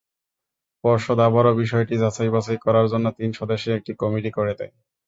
পর্ষদ আবারও বিষয়টি যাচাই-বাছাই করার জন্য তিন সদস্যের একটি কমিটি করে দেয়।